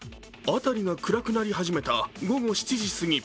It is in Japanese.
辺りが暗くなり始めた午後７時すぎ。